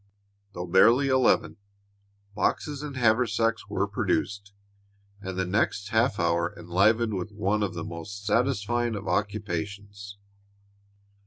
Though barely eleven, boxes and haversacks were produced and the next half hour enlivened with one of the most satisfying of occupations.